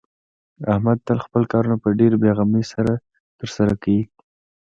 احمد تل خپل کارونه په ډېرې بې غمۍ سره ترسره کوي.